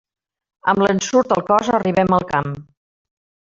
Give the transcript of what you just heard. Amb l'ensurt al cos arribem al camp.